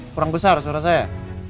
kurang besar suara saya